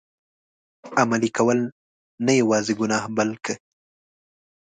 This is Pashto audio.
عملي کول، نه یوازي ګناه بلکه.